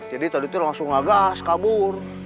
jadi tadi langsung ngegas kabur